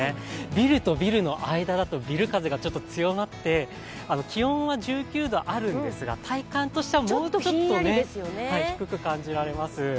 ビルとビルの間だとビル風が強まって、気温は１９度あるんですが体感としてはもうちょっとね低く感じられます。